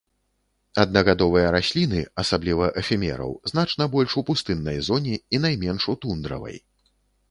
Аднагадовыя расліны, асабліва эфемераў, значна больш у пустыннай зоне і найменш у тундравай.